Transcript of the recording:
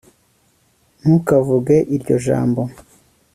ntukavuge iryo jambo